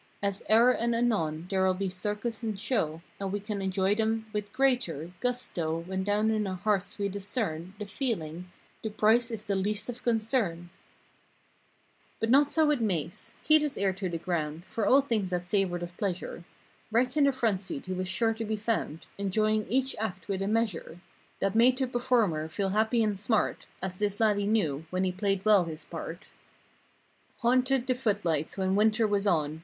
As e'er and anon there'll be circus and show And we can enjoy them with greater Gusto when down in our hearts we discern The feeling—'the price is the least of concern.' 7 ^* But not so with Mase. He'd his ear to the ground For all things that savored of pleasure. Right in the front seat he was sure to be found Enjoining each act with a measure That made the performer feel happy and smart— As this laddie knew when he played well his part. Haunted the foot lights when winter was on.